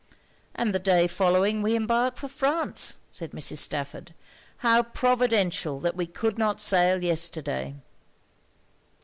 'And the day following we embark for France,' said Mrs. Stafford; 'how providential that we could not sail yesterday!'